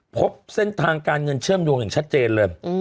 พบเส้นทางการเงินเชื่อมโยงอย่างชัดเจนเลย